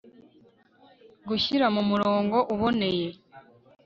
gushyira mu murongo uboneye